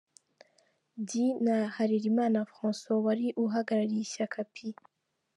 D na Harerimana Francois wari uhagarariye ishyaka P.